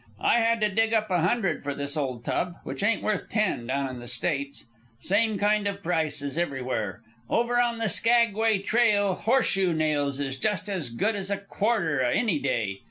I had to dig up a hundred for this old tub, which ain't worth ten down in the States. Same kind of prices everywhere. Over on the Skaguay Trail horseshoe nails is just as good as a quarter any day.